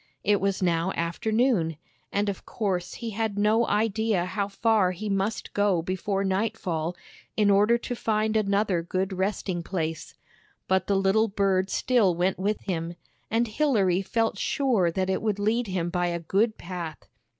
It was now afternoon, and of course he had no idea how far he must go before nightfall, in order to find another good resting place; but the little bird still went with him, and Hilary felt sure that it would lead him by a good path.